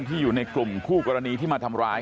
อยู่ในกลุ่มคู่กรณีที่มาทำร้าย